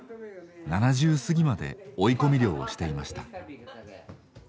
７０すぎまで追い込み漁をしていました。